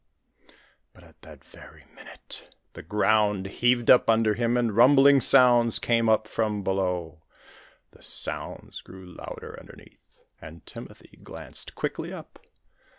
But at that very minute the ground heaved under him and rumbling sounds came up from below. The sounds grew louder underneath, and Timothy glanced quickly up.